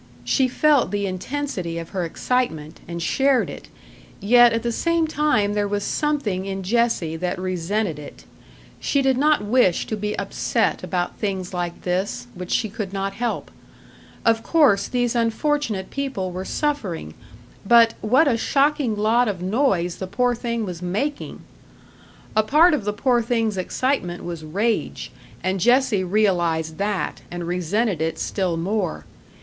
She felt the intensity of her excitement, and shared it; yet at the same time there was something in Jessie that resented it. She did not wish to be upset about things like this, which she could not help. Of course these unfortunate people were suffering; but what a shocking lot of noise the poor thing was making! A part of the poor thing's excitement was rage, and Jessie realised that, and resented it still more.